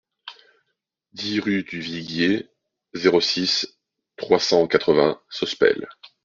dix rue du Viguier, zéro six, trois cent quatre-vingts Sospel